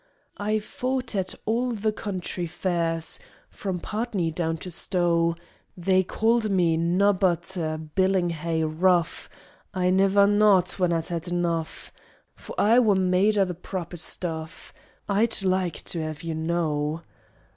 I fought at all the County Fairs, From Partney down to Stow; They called me nobbut a 'Billinghay Rough,' I niver knawed when I'd 'ed enough, For I wor made o' the proper stuff, I'd like to 'ev you know.